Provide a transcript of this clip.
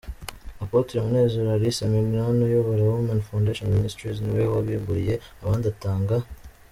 Apôtre Munezero Alice Mignone uyobora Women Foundation Ministries niwe wabimburiye abandi atanga.